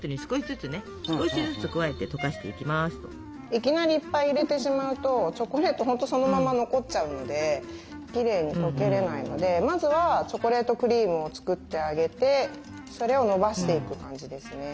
いきなりいっぱい入れてしまうとチョコレート本当そのまま残っちゃうのできれいにとけれないのでまずはチョコレートクリームを作ってあげてそれをのばしていく感じですね。